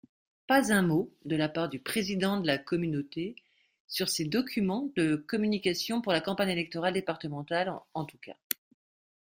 Pas un mot de la part du Président de la communauté sur ses documents de communication pour la campagne électorale départementale, en tous cas.